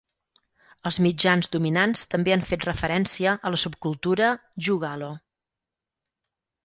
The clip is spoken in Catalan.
Els mitjans dominants també han fet referència a la subcultura Juggalo.